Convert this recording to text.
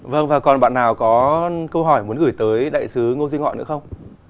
vâng và còn bạn nào có câu hỏi muốn gửi tới đại sứ ngô duy ngọ nữa không